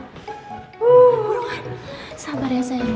buruan sabar ya sayang